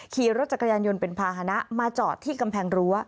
ขี่รถจักรยานยนต์เป็นภาษณะมาจอดที่กำแพงรั้ว